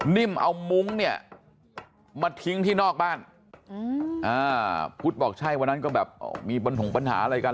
นิ่มเอามุ้งเนี่ยมาทิ้งที่นอกบ้านพุทธบอกใช่วันนั้นก็แบบมีปัญหาอะไรกัน